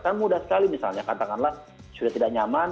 kan mudah sekali misalnya katakanlah sudah tidak nyaman